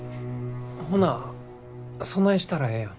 ほなそないしたらええやん。